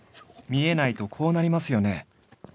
見えないとこうなりますよね。